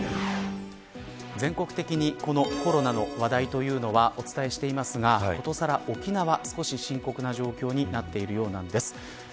全国的にコロナの話題というのはお伝えしていますがことさら沖縄、少し深刻な状況になっているようなんです。